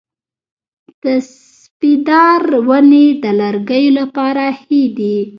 د سپیدار ونې د لرګیو لپاره ښې دي؟